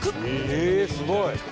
「ええすごい！」